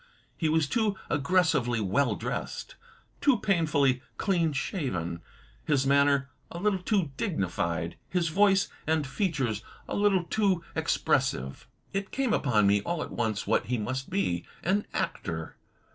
He was too aggressively well dressed; too pain fully clean shaven; his manner a little too dignified; his voice and features a little too expressive. It came upon me all at once what he must be — an actor.